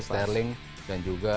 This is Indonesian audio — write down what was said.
sterling dan juga